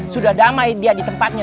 sudah damai dia di tempatnya